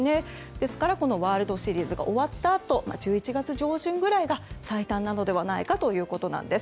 ですからこのワールドシリーズが終わったあと１１月上旬ぐらいが最短なのではないかということなんです。